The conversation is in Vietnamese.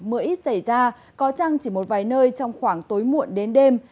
mưa ít xảy ra có trăng chỉ một vài nơi trong khoảng tối muộn đến đêm